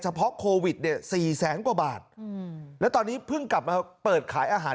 เพราะโควิดเนี่ยสี่แสนกว่าบาทอืมแล้วตอนนี้เพิ่งกลับมาเปิดขายอาหาร